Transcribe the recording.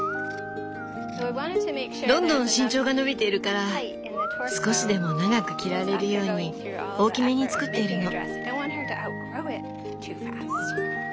どんどん身長が伸びているから少しでも長く着られるように大きめに作っているの。